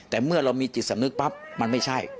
แต่เมื่อเรามีจิตสำนึกปั๊บมันไม่ใช่